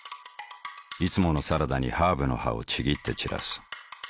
いつものサラダにハーブの葉をちぎって散らす。